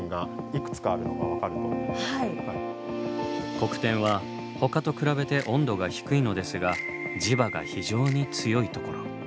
黒点はほかと比べて温度が低いのですが磁場が非常に強いところ。